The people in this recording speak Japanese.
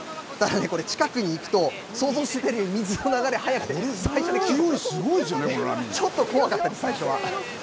これ近くに行くと、想像してるより水の流れ速くて、最初はちょっと怖かったです、最初は。